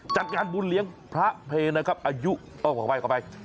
จัดงานบุญเลี้ยงพระเพนะครับอายุเอ้าขอไป